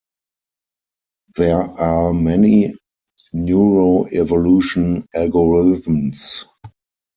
There are many neuroevolution algorithms.